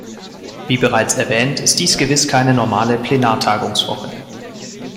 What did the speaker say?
Wie bereits erwähnt, ist dies gewiss keine normale Plenartagungswoche.